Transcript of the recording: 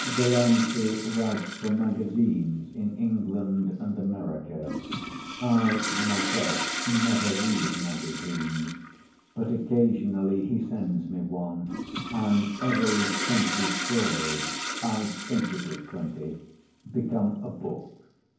Delancey writes for magazines in England and America. I, myself, never read magazines, but occasionally he sends me one and every twenty stories (I think it is twenty) become a book.